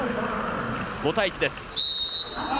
５対１です。